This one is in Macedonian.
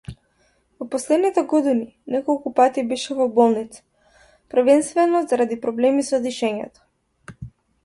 Во последните години неколку пати беше во болница, првенствено заради проблеми со дишењето.